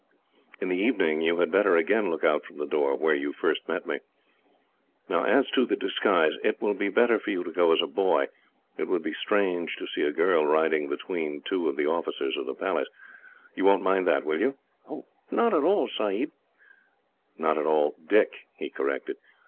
In the evening you had better again look out from the door where you first met me. "Now, as to the disguise, it will be better for you to go as a boy. It would be strange to see a girl riding behind two of the officers of the Palace. You won't mind that, will you?" "Not at all, Sahib." "Not at all, Dick," he corrected.